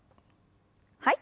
はい。